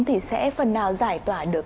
thì sẽ phần nào giải tỏa được